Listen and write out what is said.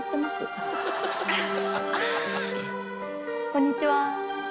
こんにちは。